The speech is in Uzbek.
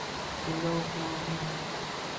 Ilohi omi-i-in!